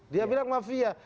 dia bilang mafia